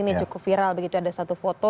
ini cukup viral begitu ada satu foto